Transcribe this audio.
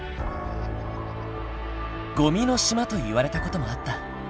ゴミの島といわれた事もあった。